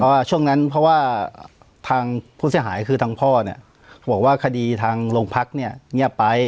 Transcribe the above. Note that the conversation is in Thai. เพราะว่าช่วงนั้นเพราะว่าทางผู้เสียหายคือทางพ่อเนี่ยบอกว่าคดีทางโรงพักเนี่ยเงียบไป